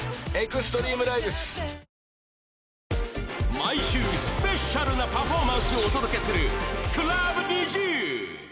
毎週スペシャルなパフォーマンスをお届けするＣｌｕＢＮｉｚｉＵ